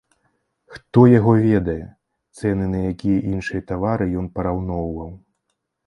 Хто яго ведае, цэны на якія іншыя тавары ён параўноўваў?